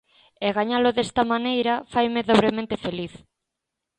E gañalo desta maneira faime dobremente feliz.